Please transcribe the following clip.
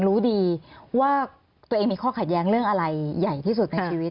รู้ดีว่าตัวเองมีข้อขัดแย้งเรื่องอะไรใหญ่ที่สุดในชีวิต